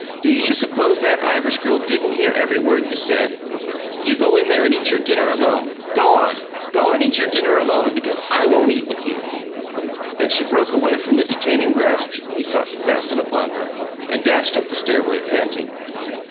Do you suppose that Irish girl didn't hear every word you said? You go in there and eat your dinner alone! Go on! Go and eat your dinner alone because I won't eat with you!" And she broke away from the detaining grasp he sought to fasten upon her, and dashed up the stairway, panting.